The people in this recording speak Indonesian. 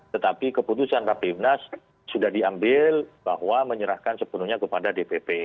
tetapi keputusan rapimnas sudah diambil bahwa menyerahkan sepenuhnya kepada dpp